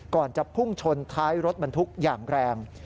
ก่อนจะพุ่งชนท้ายรถบรรทุกอย่างแรง